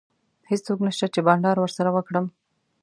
هیڅوک نشته چي بانډار ورسره وکړم.